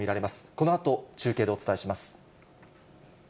このあと中継でお伝えします。